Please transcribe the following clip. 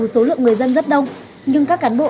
số lượng người dân rất đông nhưng các cán bộ